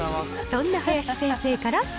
そんな林先生から。